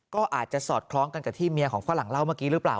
ก็อาจจะสอดคล้องกันกับที่เมียของฝรั่งเล่าเมื่อกี้หรือเปล่า